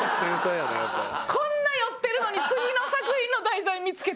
こんな酔ってるのに次の作品の題材見付けた。